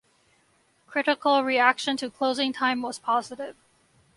Critical reaction to "Closing Time" was positive.